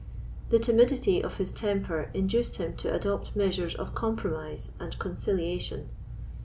The timidity of his temper induced him to adopt measures of compromise and conciliation.